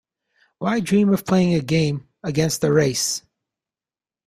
Why dream of playing a game against the race?